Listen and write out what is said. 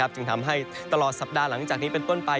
จึงทำให้ตลอดสัปดาห์หลังจากนี้เป็นต้นไป